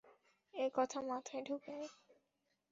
কথা মাথায় ঢোকেনি?